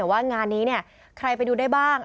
ว่างานนี้ใครไปดูได้บ้าง